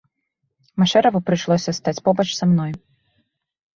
Машэраву прыйшлося стаць побач са мной.